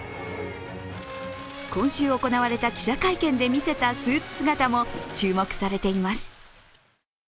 今週行われた記者会見で見せたスーツ姿も注目されています。